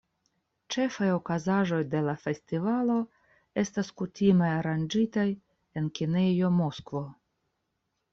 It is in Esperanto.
Ĉefaj okazaĵoj de la festivalo estas kutime aranĝitaj en kinejo Moskvo.